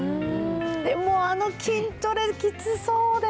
でもあの筋トレ、きつそうで。